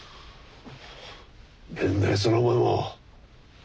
変なやつだなお前も。